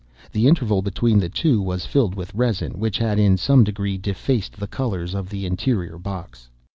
The interval between the two was filled with resin, which had, in some degree, defaced the colors of the interior box.